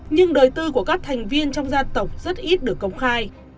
nhưng đời tư của các thành viên trong gia tộc rất ít được công khai